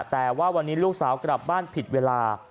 แต่ว่าวันนี้ลูกสาวกลับบ้านผิดเวลา